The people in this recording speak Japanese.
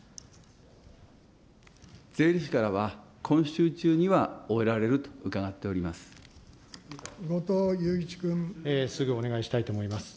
税理士からは、今週中には終えられると伺っております。